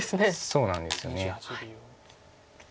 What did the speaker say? そうなんですよね。